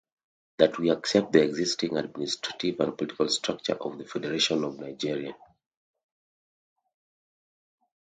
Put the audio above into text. That we accept the existing administrative and political structure of the Federation of Nigeria.